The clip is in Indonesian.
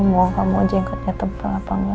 mau kamu jenggotnya tebal apa enggak